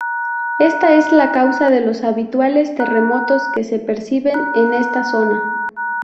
Esta es la causa de los habituales terremotos que se perciben en esta zona.